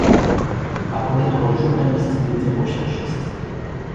Avant d'être journaliste, il était recherchiste.